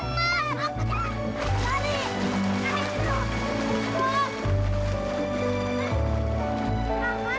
mana penyuhnya bima